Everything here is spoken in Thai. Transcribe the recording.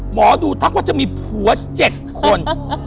หมอดูทักว่าจะมีผัว๗คน